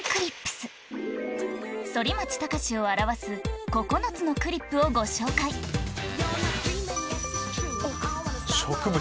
反町隆史を表す９つのクリップをご紹介植物。